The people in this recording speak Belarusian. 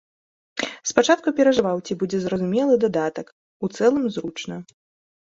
Спачатку перажываў, ці будзе зразумелы дадатак, у цэлым зручна.